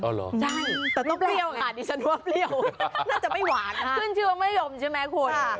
อ๋อเหรอไม่เปล่าค่ะน่าจะไม่หวานค่ะคุณชื่อว่ามะยมใช่ไหมคุย